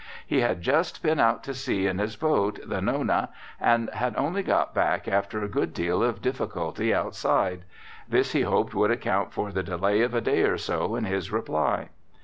He had just been out to sea in his boat, the Nona, and had only got back after a good deal of difficulty outside; this he hoped would account for the delay of a day or so in his reply.